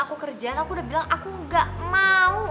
aku kerjaan aku udah bilang aku nggak mau